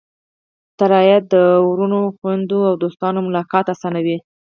الوتکه د وروڼو، خوېندو او دوستانو ملاقات آسانوي.